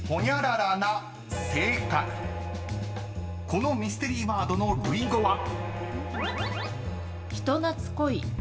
［このミステリーワードの類語は］